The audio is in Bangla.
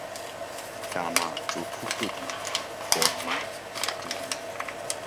টানা চতুর্থ দিন করোনায় মৃত্যু নেই